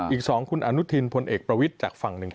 อีก๒คุณอนุทินพลเอกประวิทจากฝั่ง๑๘๘